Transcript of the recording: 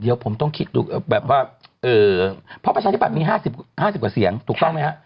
เดี๋ยวผมต้องคิดดูแบบว่าเพราะประชาธิบัตย์มี๕๐กว่าเสียงถูกต้องไหมฮะ